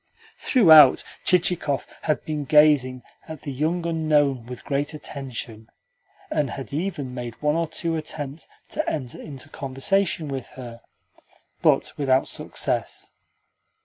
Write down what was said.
Throughout, Chichikov had been gazing at the young unknown with great attention, and had even made one or two attempts to enter into conversation with her: but without success.